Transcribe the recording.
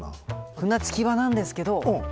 ふなつきばなんですけど